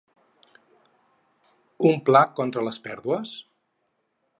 Un pla contra les pèrdues?